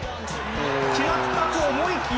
決まったと思いきや